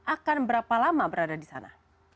akan berapa lama berada di sana